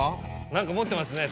何か持ってますね